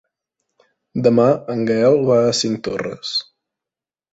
Demà en Gaël va a Cinctorres.